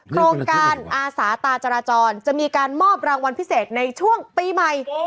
โครงการอาสาตาจราจรจะมีการมอบรางวัลพิเศษในช่วงปีใหม่